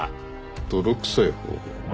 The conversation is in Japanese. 泥臭い方法？